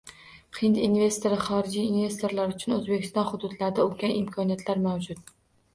Hind investori: Xorijiy investorlar uchun O‘zbekiston hududlarida ulkan imkoniyatlar mavjud